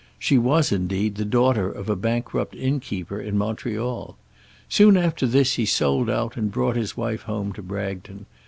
She was, indeed, the daughter of a bankrupt innkeeper in Montreal. Soon after this he sold out and brought his wife home to Bragton.